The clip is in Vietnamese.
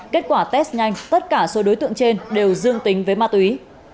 kết quả test nhanh tất cả số đối tượng trên đều dương tính với ma túy